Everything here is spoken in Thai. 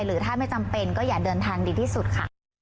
หรือถ้าไม่จำเป็นก็อย่าเดินทางดีที่สุดค่ะ